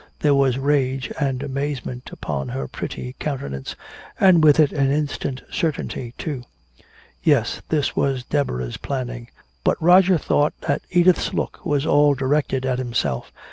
There was rage and amazement upon her pretty countenance, and with it an instant certainty too. Yes, this was Deborah's planning! But Roger thought that Edith's look was all directed at himself.